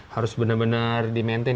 harus benar benar dimaintain